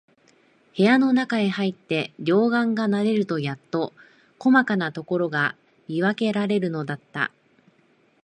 部屋のなかへ入って、両眼が慣れるとやっと、こまかなところが見わけられるのだった。